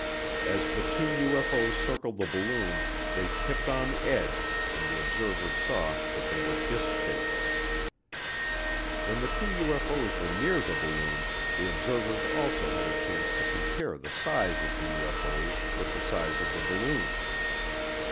As the two UFO's circled the balloon, they tipped on edge and the observers saw that they were disk shaped. When the two UFO's were near the balloon, the observers also had a chance to compare the size of the UFO's with the size of the balloon.